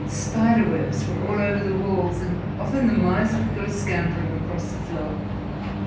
Spiderwebs were over all the walls, and often the mice would go scampering across the floor.